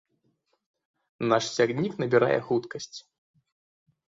Наш цягнік набірае хуткасць.